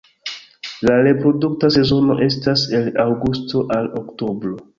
La reprodukta sezono estas el aŭgusto al oktobro.